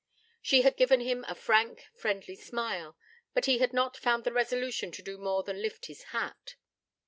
She had given him a frank, friendly smile; but he had not found the resolution to do more than lift his hat.